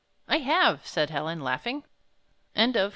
"I have," said Helen, laughing. 24 VII.